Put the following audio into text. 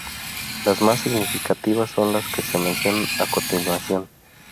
Las más significativas son las que se mencionan a continuación.